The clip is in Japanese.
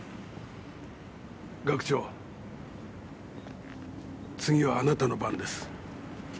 学長次はあなたの番です。